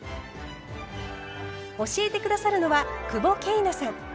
教えて下さるのは久保桂奈さん。